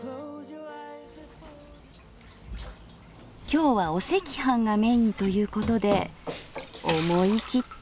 今日はお赤飯がメインということで思い切って作ります。